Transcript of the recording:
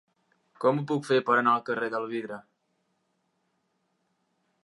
Com ho puc fer per anar al carrer del Vidre?